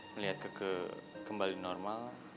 melihat keke kembali normal